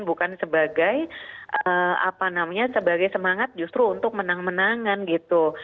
bukan sebagai apa namanya sebagai semangat justru untuk menang menangan gitu